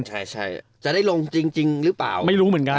ใช่จะได้ลงจริงหรือเปล่าไม่รู้เหมือนกัน